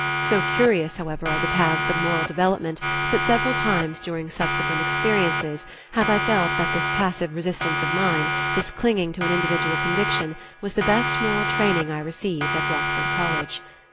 So curious, however, are the paths of moral development that several times during subsequent experiences have I felt that this passive resistance of mine, this clinging to an individual conviction, was the best moral training I received at Rockford College.